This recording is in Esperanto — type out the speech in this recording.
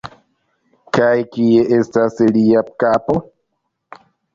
Kaj kie estas lia kapo?!